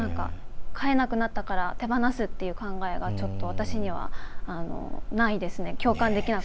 飼えなくなったから手放すという考えがちょっと、私にはないですね。